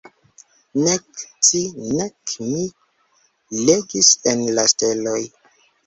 Nek ci nek mi legis en la steloj.